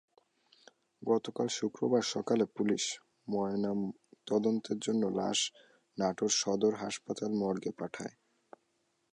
গতকাল শুক্রবার সকালে পুলিশ ময়নাতদন্তের জন্য লাশ নাটোর সদর হাসপাতালের মর্গে পাঠায়।